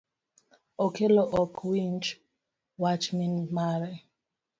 Okelo ok winj wach min mare